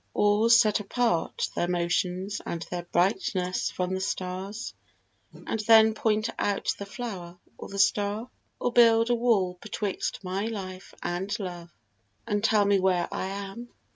or set apart Their motions and their brightness from the stars, And then point out the flower or the star? Or build a wall betwixt my life and love, And tell me where I am?